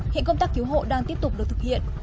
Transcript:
hiện công tác cứu hộ đang tiếp tục được thực hiện